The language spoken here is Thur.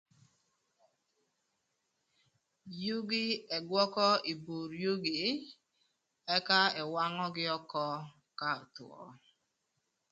Yugi ëgwökö ï bur yugi ëka ëwangögï ökö ka öthwö.